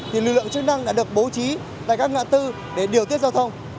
thì lực lượng chức năng đã được bố trí tại các ngã tư để điều tiết giao thông